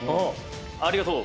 ありがとう。